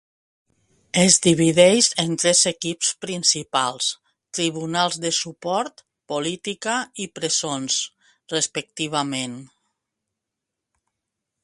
Es divideix en tres equips principals: tribunals de suport, policia i presons, respectivament.